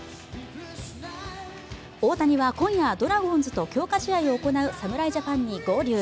大谷は今夜、ドラゴンズと強化試合を行う侍ジャパンに合流。